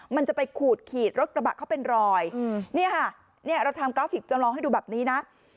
มันจะไปขูดขีดรถกระบะเขาเป็นรอยเนี่ยค่ะเนี่ยเราทำกราฟิกจำลองให้ดูแบบนี้นะ